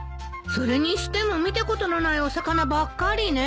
それにしても見たことのないお魚ばっかりね。